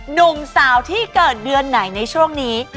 หนุ่มสาวที่เกิดเดือนไหนในช่วงนี้